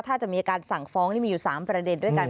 ถ้าจะมีการสั่งฟ้องนี่มีอยู่๓ประเด็นด้วยกัน